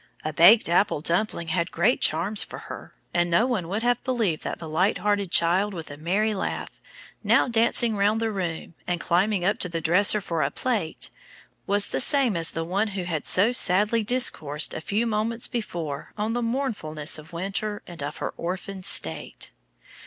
A baked apple dumpling had great charms for her, and no one would have believed that the light hearted child with the merry laugh, now dancing around the room, and climbing up to the dresser for a plate, was the same as the one who had so sadly discoursed a few moments before on the mournfulness of winter and of her orphaned state.